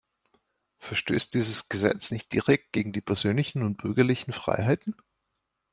Verstößt dieses Gesetz nicht direkt gegen die persönlichen und bürgerlichen Freiheiten?